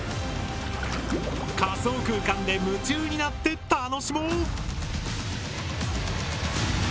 仮想空間で夢中になって楽しもう！